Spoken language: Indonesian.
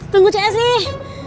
tunggu ceknya sih